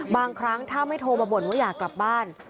บางครั้งถ้าไม่โทรมาบ่นว่าอยากกลับบ้าน